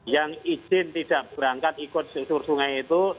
yang izin tidak berangkat ikut susur sungai itu